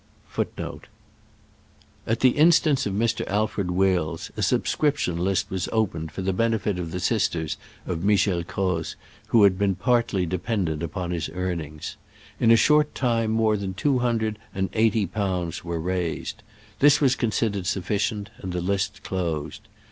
t At the instance of Mr. Alfred Wills, a subscrip tion list was opened for the benefit of the sisters of Michel Croz, who had been partly dependent upon his earnings. In a short time more than two hundred and eighty pounds were raised. This was considered sufficient, and the list closed.